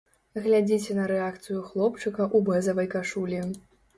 Глядзіце на рэакцыю хлопчыка ў бэзавай кашулі.